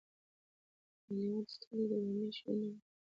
د هالیووډ ستوري د رومي شعرونه وايي.